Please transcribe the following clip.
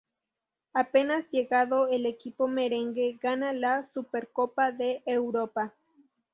Apenas llegado al equipo merengue, gana la Supercopa de Europa.